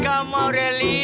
itu hampir operasi